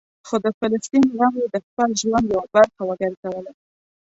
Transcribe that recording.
خو د فلسطین غم یې د خپل ژوند یوه برخه وګرځوله.